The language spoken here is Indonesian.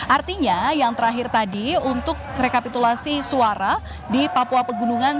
artinya yang terakhir tadi untuk rekapitulasi suara di papua pegunungan